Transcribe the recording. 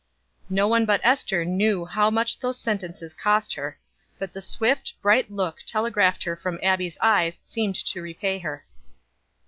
No one but Ester knew how much these sentences cost her; but the swift, bright look telegraphed her from Abbie's eyes seemed to repay her.